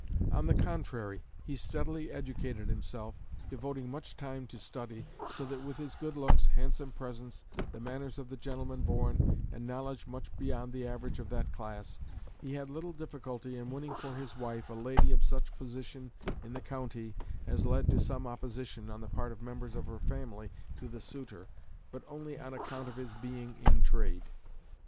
On the contrary, he steadily educated himself, devoting much time to study, so that with his good looks, handsome presence, the manners of the gentleman born, and knowledge much beyond the average of that class, he had little difficulty in winning for his wife a lady of such position in the county as led to some opposition on the part of members of her family to the suitor, but only "on account of his being in trade."